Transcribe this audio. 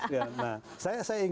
ke depan kesilip